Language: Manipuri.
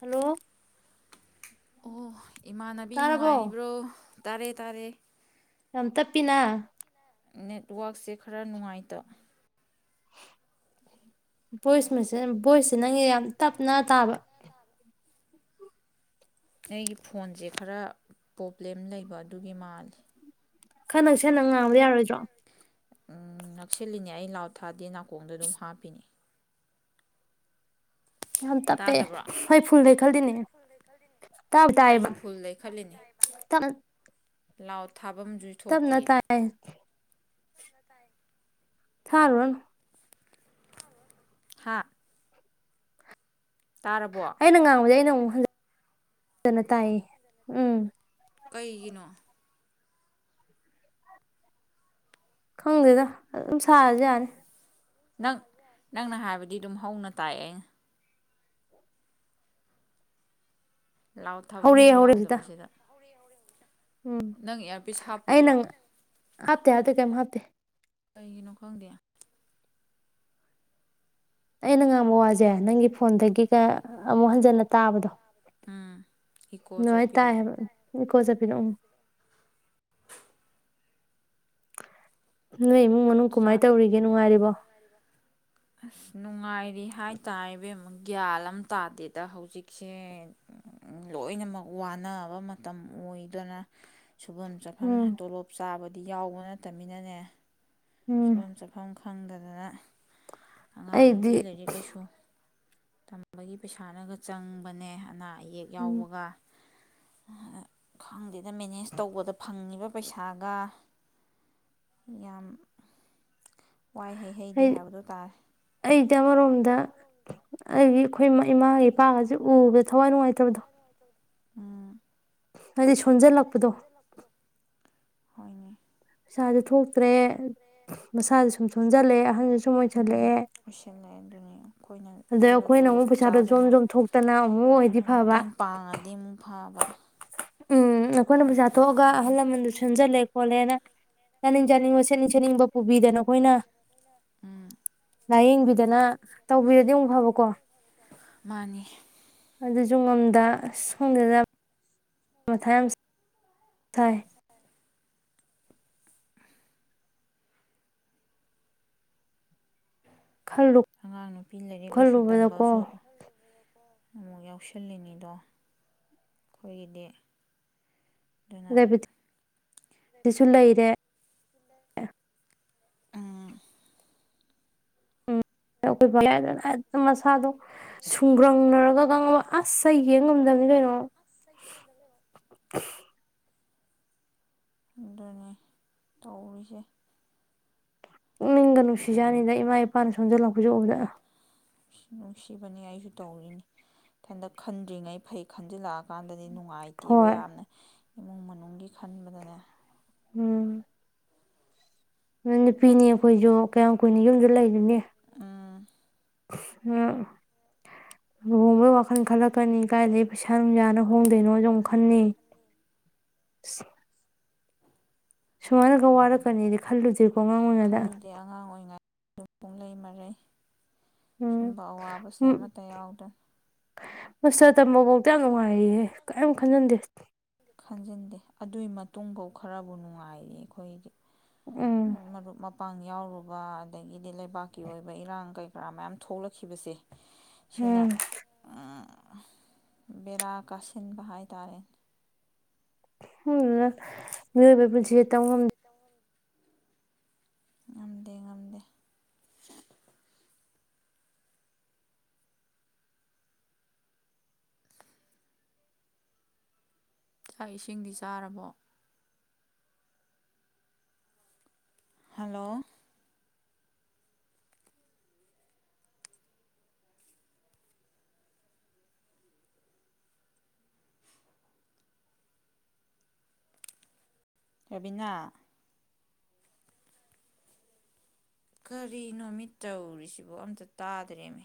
ꯍꯜꯂꯣ ꯑꯣ ꯏꯃꯥꯟꯅꯕꯤ ꯅꯨꯡꯉꯥꯏꯔꯤꯕ꯭ꯔꯣ ꯇꯥꯔꯦ ꯇꯥꯔꯦ ꯌꯥꯝ ꯇꯞꯄꯤꯅ ꯅꯦꯠꯋꯥꯛꯁꯦ ꯈꯔ ꯅꯨꯡꯉꯥꯏꯇ ꯚꯣꯏꯁ ꯃꯦꯁꯦ ꯚꯣꯏꯁꯁꯦ ꯅꯪꯒꯤ ꯌꯥꯝ ꯇꯞꯅ ꯇꯥꯕ ꯑꯩꯒꯤ ꯐꯣꯟꯁꯦ ꯈꯔ ꯄ꯭ꯔꯣꯕ꯭ꯂꯦꯝ ꯂꯩꯕ ꯑꯗꯨꯒꯤ ꯃꯥꯜꯂꯦ ꯈꯔ ꯅꯛꯁꯜꯂ ꯉꯥꯡꯕ ꯌꯥꯔꯣꯏꯗ꯭ꯔꯣ ꯎꯝ ꯅꯛꯁꯤꯜꯂꯤꯅꯦ ꯑꯩ ꯂꯥꯎꯠ ꯊꯥꯗꯦ ꯅꯥꯀꯣꯡꯗ ꯑꯗꯨꯝ ꯍꯥꯞꯄꯤꯅꯦ ꯌꯥꯝ ꯇꯞꯄꯦ ꯍꯣꯏ ꯐꯨꯜ ꯂꯩꯈꯠꯂꯤꯅꯦ ꯇꯥꯕꯨꯗꯤ ꯇꯥꯏꯌꯦꯕ [unintelligible] ꯂꯥꯎꯠ ꯊꯥꯕꯝ ꯖꯨꯏ ꯇꯞꯅ ꯇꯥꯏ ꯊꯥꯔꯨꯔꯅꯨ ꯍꯥ ꯇꯥꯔꯕꯣ [unintelligible] ꯀꯩꯒꯤꯅꯣ [inaudible] ꯈꯪꯗꯦꯗ ꯑꯗꯨꯝ ꯁꯥꯔꯖꯤ ꯌꯥꯅꯤ ꯅꯪ ꯅꯪꯅ ꯍꯥꯏꯕꯗꯤ ꯑꯗꯨꯝ ꯍꯧꯅ ꯇꯥꯏ ꯑꯩꯅ ꯂꯥꯎꯠ ꯊꯥꯕꯝꯖꯨ ꯌꯥꯎꯗꯕꯁꯤꯗ ꯎꯝ ꯑꯩ ꯅꯪ ꯍꯥꯞꯇꯦ ꯍꯥꯞꯇꯦ ꯀꯩꯝ ꯍꯥꯞꯇꯦ ꯀꯩꯒꯤꯅꯣ ꯈꯪꯗꯦ ꯑꯩꯅ ꯉꯥꯡꯕ ꯋꯥꯖꯦ ꯅꯪꯒꯤ ꯐꯣꯟꯗꯒꯤꯗ ꯑꯃꯨꯛ ꯍꯟꯖꯟꯅ ꯇꯥꯕꯗꯣ ꯎꯝ ꯏꯀꯣ ꯆꯠꯄꯤꯗꯣ ꯏꯀꯣ ꯆꯠꯄꯤꯗꯣ ꯎꯝ ꯅꯣꯏ ꯏꯃꯨꯡ ꯃꯅꯨꯡ ꯀꯃꯥꯏ ꯇꯧꯔꯤꯒꯦ ꯅꯨꯡꯉꯥꯏꯔꯤꯕꯣ ꯑꯁ ꯅꯨꯡꯉꯥꯏꯔꯤ ꯍꯥꯏꯇꯥꯔꯦꯕ ꯏꯕꯦꯝꯃꯥ ꯒ꯭ꯌꯥꯟ ꯑꯃ ꯇꯥꯗꯦꯗ ꯍꯧꯖꯤꯛꯁꯦ ꯎꯝ ꯂꯣꯏꯅꯃꯛ ꯋꯥꯅꯕ ꯃꯇꯝ ꯑꯣꯏꯗꯅ ꯁꯨꯕꯝ ꯆꯠꯐꯝ ꯇꯣꯂꯣꯞ ꯆꯥꯕꯗꯤ ꯌꯥꯎꯕ ꯅꯠꯇꯝꯅꯤꯅꯅꯦ ꯁꯨꯐꯝ ꯆꯥꯐꯝ ꯈꯪꯗꯗꯅ ꯑꯉꯥꯡ ꯅꯨꯄꯤ ꯂꯥꯏꯔꯤꯛ ꯂꯥꯏꯁꯨ ꯇꯝꯕꯒꯤ ꯄꯩꯁꯥꯅꯒ ꯆꯪꯕꯅꯦ ꯑꯅꯥ ꯑꯌꯦꯛ ꯌꯥꯎꯕꯒ ꯈꯪꯗꯦꯗ ꯃꯦꯅꯦꯖ ꯇꯧꯕꯗ ꯐꯪꯉꯤꯕ ꯄꯩꯁꯥꯒ ꯌꯥꯝ ꯋꯥꯏ ꯍꯥꯏꯍꯩꯗꯦ ꯍꯥꯏꯕꯗꯨ ꯇꯥꯔꯦ ꯑꯩꯗꯤ ꯑꯃꯔꯣꯝꯗ ꯑꯩꯒꯤ ꯑꯩꯈꯣꯏ ꯃꯥ ꯏꯃꯥꯒ ꯏꯄꯥꯒꯖꯦ ꯎꯕꯗ ꯊꯋꯥꯏ ꯅꯨꯡꯉꯥꯏꯇꯕꯗꯣ ꯍꯥꯏꯗꯤ ꯁꯣꯟꯖꯜꯂꯛꯄꯗꯣ ꯍꯣꯏꯅꯦ ꯄꯩꯁꯥꯖꯦ ꯊꯣꯛ ꯇ꯭ꯔꯦ ꯃꯁꯥꯖꯨ ꯁꯨꯝ ꯁꯣꯟꯖꯜꯂꯛꯑꯦ ꯑꯍꯟꯖꯨ ꯁꯨꯝ ꯑꯣꯏꯁꯤꯜꯂꯛꯑꯦ ꯑꯗ ꯑꯩꯈꯣꯏꯅ ꯑꯃꯨꯛ ꯄꯩꯁꯥꯗꯣ ꯖꯣꯝ ꯖꯣꯝ ꯊꯣꯛꯇꯅ ꯑꯃꯨꯛ ꯑꯣꯏꯗꯤ ꯐꯕ ꯄꯥꯡꯉꯗꯤ ꯑꯃꯨꯛ ꯐꯕ ꯎꯝ ꯑꯈꯣꯏꯅ ꯄꯩꯁꯥ ꯊꯣꯛꯑꯒ ꯑꯍꯜ ꯂꯃꯟꯗꯁꯨ ꯁꯟꯖꯜꯂꯦ ꯈꯣꯠꯂꯦꯅ ꯆꯥꯅꯤꯡ ꯆꯥꯅꯤꯡꯕ ꯁꯦꯠꯅꯤꯡ ꯁꯦꯠꯅꯤꯡꯕ ꯄꯨꯕꯤꯗꯅ ꯑꯩꯈꯣꯏꯅ ꯂꯥꯏꯌꯦꯡꯕꯤꯗꯅ ꯇꯧꯕꯤꯔꯗꯤ ꯑꯃꯨꯛ ꯐꯕꯀꯣ ꯃꯥꯅꯦ ꯑꯗꯨꯖꯨ ꯉꯝꯗ ꯑꯁ ꯈꯪꯗꯦꯗ ꯃꯊꯥ ꯌꯥꯝ ꯁꯥꯏ [unintelligible] ꯑꯉꯥꯡ ꯅꯨꯄꯤ ꯂꯥꯏꯔꯤꯛ ꯂꯥꯏꯁꯨ ꯇꯝꯕꯁꯨ ꯑꯃꯨꯛ ꯌꯥꯎꯁꯤꯜꯂꯤꯅꯤꯗꯣ ꯑꯩꯈꯣꯏꯒꯤꯗꯤ ꯅꯕꯗꯤꯠ ꯇꯤꯁꯨꯂꯩꯔꯦ ꯎꯝ ꯑꯩꯈꯣꯏ [unintelligible] ꯃꯁꯥꯗꯣ ꯁꯨꯡꯒ꯭ꯔꯪꯅꯔꯒ ꯈꯪꯉꯕ ꯑꯁ ꯁ ꯌꯦꯡ ꯉꯝꯗꯝꯅꯤ ꯀꯩꯅꯣ ꯏꯁ ꯑꯩ ꯌꯦꯡ ꯉꯝꯗꯝꯅꯤ ꯀꯩꯅꯣ ꯑꯗꯨꯅꯤ ꯇꯧꯔꯤꯁꯦ ꯄꯨꯛꯅꯤꯡꯒ ꯅꯨꯡꯁꯤꯖꯥꯅꯤꯗ ꯏꯃꯥ ꯏꯄꯥꯅ ꯁꯣꯟꯖꯜꯂꯛꯄꯖꯦ ꯎꯕꯗ ꯅꯨꯡꯁꯤꯕꯅꯤ ꯑꯩꯁꯨ ꯇꯧꯔꯤꯅꯤꯊꯟꯗ ꯈꯟꯗ꯭ꯔꯤꯉꯩ ꯐꯩ ꯈꯟꯖꯤꯜꯂꯛꯑꯀꯥꯟꯗꯗꯤ ꯅꯨꯡꯉꯥꯏꯇꯦꯕ ꯌꯥꯝꯅ ꯏꯃꯨꯡ ꯃꯅꯨꯡꯒꯤ ꯈꯟꯕꯗꯅꯦ ꯎꯝ ꯅꯨꯄꯤꯅꯤ ꯑꯩꯈꯣꯏꯁꯨ ꯀꯌꯥꯝ ꯀꯨꯏꯅ ꯌꯨꯝꯗ ꯂꯩꯔꯨꯅꯤ ꯑꯥ ꯎꯝ ꯂꯨꯍꯣꯡꯕꯩ ꯋꯥꯈꯜ ꯈꯜꯂꯛꯀꯅꯤ ꯀꯥꯏꯗꯩ ꯄꯩꯁꯥ ꯅꯨꯡ ꯌꯥꯥꯅ ꯍꯣꯡꯗꯩꯅꯣꯖꯨ ꯑꯃꯨꯛ ꯈꯟꯅꯤ ꯁꯨꯃꯥꯏꯅꯒ ꯋꯥꯔꯛꯀꯅꯤꯗꯤ ꯈꯜꯂꯨꯗꯦꯀꯣ ꯑꯉꯥꯡ ꯑꯣꯏꯉꯩꯗ ꯑꯗꯩ ꯑꯉꯥꯡ ꯑꯣꯏꯔꯤꯉꯩ ꯌꯨꯝ ꯄꯨꯡꯂꯩ ꯃꯔꯩ ꯁꯨꯝꯕ ꯑꯋꯥꯕꯁꯦ ꯑꯃꯠꯇ ꯌꯥꯎꯗꯦ ꯃꯥꯁꯇ ꯇꯝꯕꯣꯕꯥꯎꯗ ꯌꯥꯝ ꯅꯨꯡꯉꯥꯏꯌꯦꯍꯦ ꯀꯥꯢꯝ ꯈꯟꯖꯟꯗꯦ ꯈꯟꯖꯤꯟꯗꯦ ꯑꯗꯨꯒꯤ ꯃꯇꯨꯡꯐꯧ ꯈꯔꯕꯨ ꯅꯨꯡꯉꯥꯏꯔꯤ ꯑꯩꯈꯣꯏꯗꯤ ꯃ ꯃꯔꯨꯞ ꯄꯥꯡ ꯌꯥꯎꯔꯨꯕ ꯑꯗꯒꯤꯗꯤ ꯂꯩꯕꯥꯛꯀꯤ ꯑꯣꯏꯕ ꯏꯔꯥꯡ ꯀꯩ ꯀꯔꯥ ꯃꯌꯥꯝ ꯊꯣꯛꯂꯛꯈꯤꯕꯁꯦ ꯁꯤꯅ ꯕꯦꯔꯥ ꯀꯥꯁꯤꯟꯕ ꯍꯥꯏꯇꯥꯔꯦ [unintelligible] ꯃꯤꯑꯣꯏꯕ ꯄꯨꯟꯁꯤ ꯇꯧꯉꯝ [unintelligible] ꯉꯝꯗꯦ ꯉꯝꯗꯦ ꯆꯥꯛ ꯏꯁꯤꯡꯗꯤ ꯆꯥꯔꯕꯣ ꯍꯜꯂꯣ ꯔꯕꯤꯅꯥ ꯀꯔꯤꯅꯣ ꯃꯤꯠ ꯇꯧꯔꯤꯁꯤꯕꯣ ꯑꯝꯇ ꯇꯥꯗ꯭ꯔꯦꯃꯦ